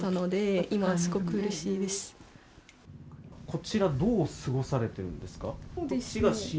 こちら、どう過ごされているんですか？